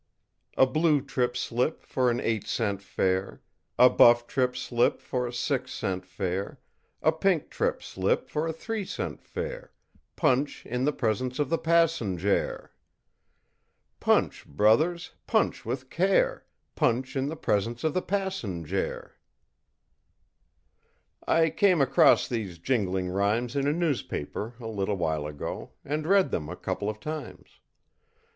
A blue trip slip for an eight cent fare, A buff trip slip for a six cent fare, A pink trip slip for a three cent fare, Punch in the presence of the passenjare! CHORUS Punch, brothers! punch with care! Punch in the presence of the passenjare! I came across these jingling rhymes in a newspaper, a little while ago, and read them a couple of times.